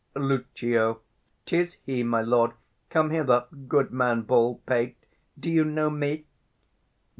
Lucio. 'Tis he, my lord. Come hither, goodman bald pate: do you know me?